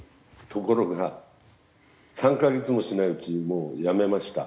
ところが３カ月もしないうちにもうやめました。